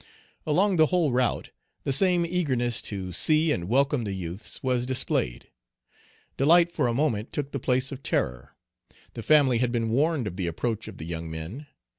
Along the whole route, the same eagerness to see and welcome the youths was displayed. Delight for a moment took the place of terror. The family had been warned of the approach of the young men.